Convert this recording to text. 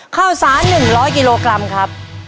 ข้าวสาร๑๐๐กิโลกรัมครับ